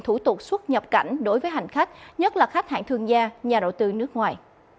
thủ tục xuất nhập cảnh đối với hành khách nhất là khách hạng thương gia nhà đầu tư nước ngoài